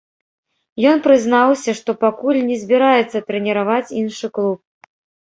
Ён прызнаўся, што пакуль не збіраецца трэніраваць іншы клуб.